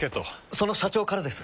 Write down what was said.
その社長からです。